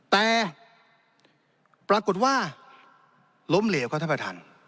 แต่ปรากฏว่าล้มเหลวครับท่านประธาน